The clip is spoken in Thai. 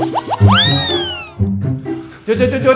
โปรดติดตามตอนต่อไป